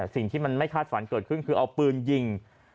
สิ่งที่มันไม่คาดฝันเกิดขึ้นคือเอาปืนยิง